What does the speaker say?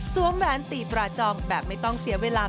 แหวนตีตราจองแบบไม่ต้องเสียเวลา